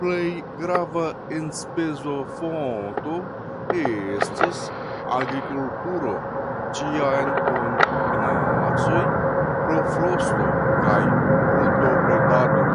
Plej grava enspezofonto estis agrikulturo (ĉiam kun minacoj pro frosto) kaj brutobredado.